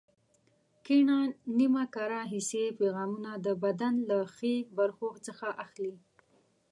کیڼه نیمه کره حسي پیغامونه د بدن له ښي برخو څخه اخلي.